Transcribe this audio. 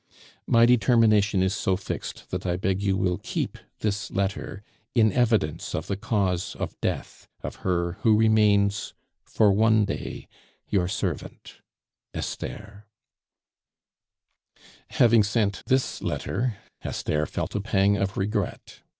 "My determination is so fixed that I beg you will keep this letter in evidence of the cause of death of her who remains, for one day, your servant, "ESTHER." Having sent this letter, Esther felt a pang of regret.